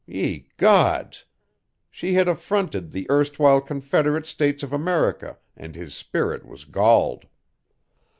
Ye Gods! She had affronted the erstwhile Confederate States of America and his spirit was galled.